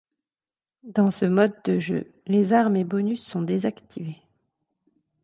Dans ce mode de jeu, les armes et bonus sont désactivés.